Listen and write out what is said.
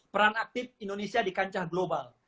peran aktif indonesia di kancah global